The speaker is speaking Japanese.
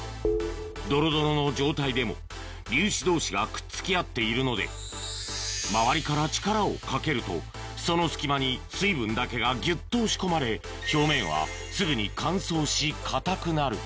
ドロドロの状態でも粒子同士がくっつき合っているので周りから力をかけるとその隙間に水分だけがギュっと押し込まれ表面はすぐに乾燥し固くなる